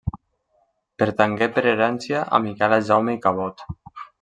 Pertangué per herència a Miquela Jaume i Cabot.